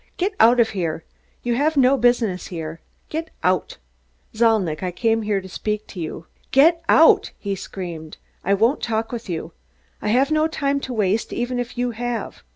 "Get out of here! You have no business here. Get out!" "Zalnitch, I came here to speak to you." "Get out!" he screamed. "I won't talk with you. I have no time to waste, even if you have.